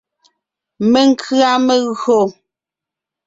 Menkʉ̀a megÿò.